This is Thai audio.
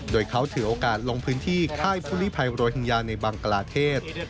โดยเขาถือโอกาสลงพื้นที่ค่ายภูริภัยโรฮิงญาในบังกลาเทศ